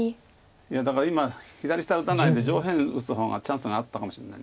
いやだから今左下打たないで上辺打つ方がチャンスがあったかもしれない。